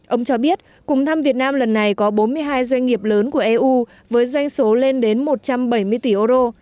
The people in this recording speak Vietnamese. ông cho biết cùng thăm việt nam lần này có bốn mươi hai doanh nghiệp lớn của eu với doanh số lên đến một trăm bảy mươi tỷ euro